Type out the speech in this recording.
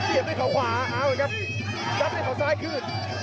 เสียบด้วยเขาขวาเอาเลยครับจับด้วยเขาซ้ายคลื่น